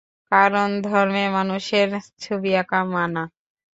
কারণ, ধর্মে মানুষের ছবি আঁকা মানা।